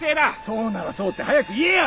そうならそうって早く言えよ！